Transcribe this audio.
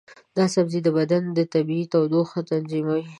دا سبزی د بدن طبیعي تودوخه تنظیموي.